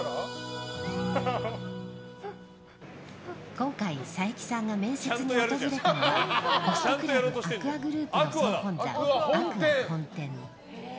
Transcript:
今回、佐伯さんが面接に訪れたのはホストクラブＡＣＱＵＡグループの総本山ＡＣＱＵＡ本店。